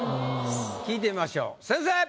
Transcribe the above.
聞いてみましょう先生！